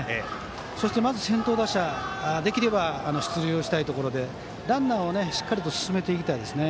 そしてまず、先頭打者ができれば出塁したいところでランナーをしっかりと進めていきたいですね。